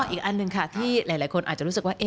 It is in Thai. อีกอันหนึ่งค่ะที่หลายคนอาจจะรู้สึกว่า